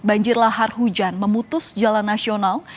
banjir lahar hujan memutus jalan nasional